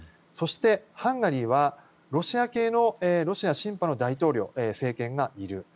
そして、ハンガリーはロシア系のロシアシンパの大統領政権がいる。